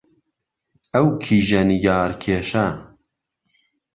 ئەو کیژە نیگارکێشە